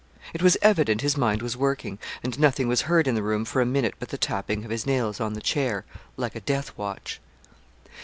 It was evident his mind was working, and nothing was heard in the room for a minute but the tapping of his nails on the chair, like a death watch.